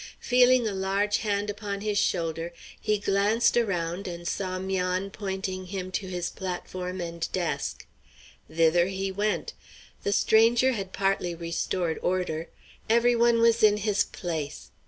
Feeling a large hand upon his shoulder, he glanced around and saw 'Mian pointing him to his platform and desk. Thither he went. The stranger had partly restored order. Every one was in his place.